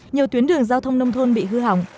nhiều tuyến đường giao thông nông thôn bị hư hỏng